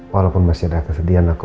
walaupun masih ada kesedihan aku